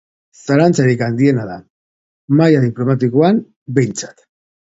Zalantzarik handiena da, maila diplomatikoan, behintzat.